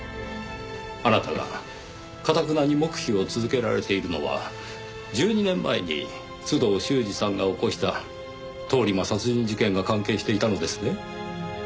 あなたが頑なに黙秘を続けられているのは１２年前に須藤修史さんが起こした通り魔殺人事件が関係していたのですね。